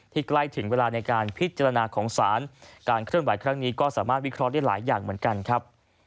ใกล้ถึงเวลาในการพิจารณาของศาลการเคลื่อนไหวครั้งนี้ก็สามารถวิเคราะห์ได้หลายอย่างเหมือนกันครับ